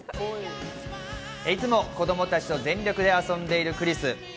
いつも子供たちと全力で遊んでいるクリス。